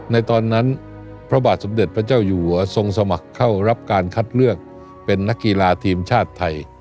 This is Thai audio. ในตอนนั้นพระบาทสมเด็จพระเจ้าอยู่หัวทรงสมัครเข้ารับการคัดเลือกเป็นนักกีฬาทีมชาติไทย